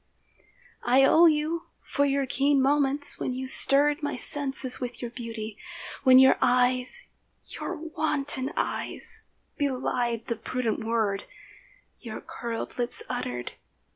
I owe you for keen moments when you stirred My senses with your beauty, when your eyes (Your wanton eyes) belied the prudent word Your curled lips uttered.